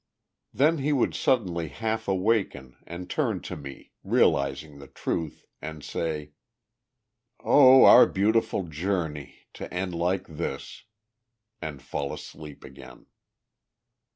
Then he would suddenly half awaken and turn to me, realizing the truth, and say: "O our beautiful journey to end like this!" and fall asleep again.